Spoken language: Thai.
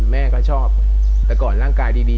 แม่ก็ชอบแต่ก่อนร่างกายดี